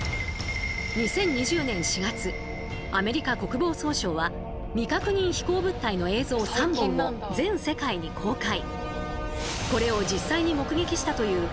２０２０年４月アメリカ国防総省は未確認飛行物体の映像３本を全世界に公開。